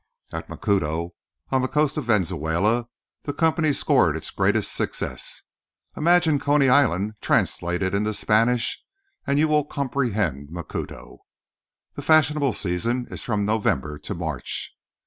At Macuto, on the coast of Venezuela, the company scored its greatest success. Imagine Coney Island translated into Spanish and you will comprehend Macuto. The fashionable season is from November to March.